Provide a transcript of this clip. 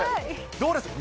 どうですか？